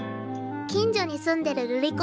近所に住んでる瑠璃子